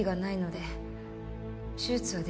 で